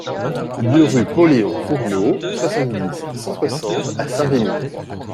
deux rue Pauléon Fournot, soixante-dix, cent soixante à Saint-Remy